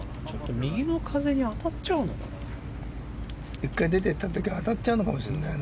右の風に当たっちゃうのかな。